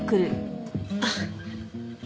あっ。